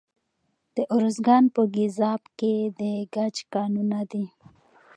د ارزګان په ګیزاب کې د ګچ کانونه دي.